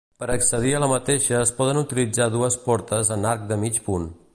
Per accedir a la mateixa es poden utilitzar dues portes en arc de mig punt.